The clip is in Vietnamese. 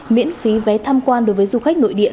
miễn phí vé tham quan đối với du khách nội địa